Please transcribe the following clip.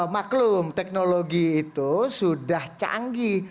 maklum teknologi itu sudah canggih